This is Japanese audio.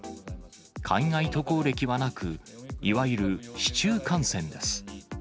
海外渡航歴はなく、いわゆる市中感染です。